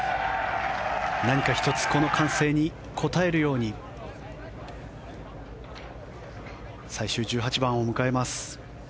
何か１つこの歓声に応えるように最終１８番を迎えます。